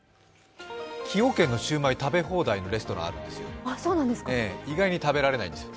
崎陽軒のシウマイ食べ放題のレストランあるんですよ。